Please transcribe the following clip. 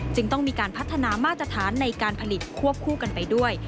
ต้องมีการพัฒนามาตรฐานในการผลิตควบคู่กันไปด้วย